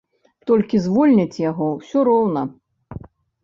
Толькі звольняць яго ўсё роўна.